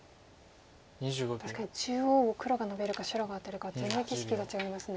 確かに中央を黒ノビるか白がアテるかで全然景色が違いますね。